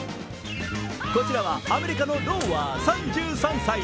こちらはアメリカのローワー、３３歳。